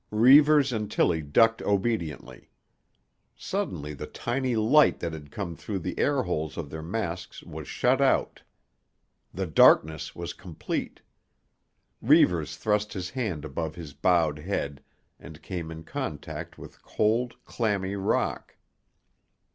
Reivers and Tillie ducked obediently. Suddenly the tiny light that had come through the air holes of their masks was shut out. The darkness was complete. Reivers thrust his hand above his bowed head and came in contact with cold, clammy rock.